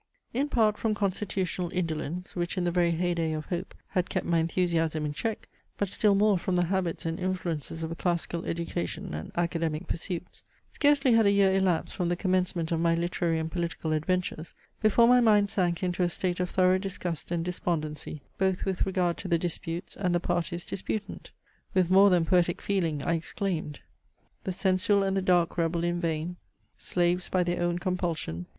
In part from constitutional indolence, which in the very hey day of hope had kept my enthusiasm in check, but still more from the habits and influences of a classical education and academic pursuits, scarcely had a year elapsed from the commencement of my literary and political adventures before my mind sank into a state of thorough disgust and despondency, both with regard to the disputes and the parties disputant. With more than poetic feeling I exclaimed: The sensual and the dark rebel in vain, Slaves by their own compulsion!